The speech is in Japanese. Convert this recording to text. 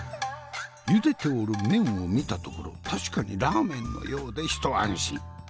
茹でておる麺を見たところ確かにラーメンのようで一安心。